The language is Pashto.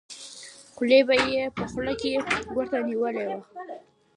خولۍ به یې په خوله کې ورته ونیوله.